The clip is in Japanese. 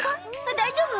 大丈夫？